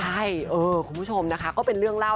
ใช่คุณผู้ชมนะคะก็เป็นเรื่องเล่า